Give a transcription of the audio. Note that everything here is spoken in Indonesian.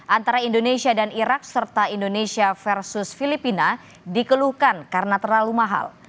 antara indonesia dan irak serta indonesia versus filipina dikeluhkan karena terlalu mahal